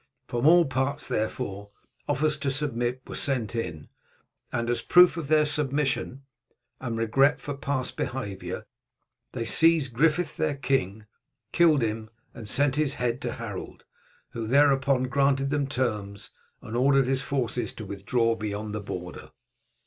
From all parts, therefore, offers to submit were sent in, and as a proof of their submission and regret for past behaviour, they seized Griffith their king, killed him, and sent his head to Harold, who thereupon granted them terms, and ordered his forces to withdraw beyond the border.